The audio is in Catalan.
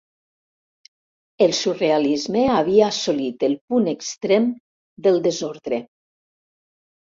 El surrealisme havia assolit el punt extrem del desordre.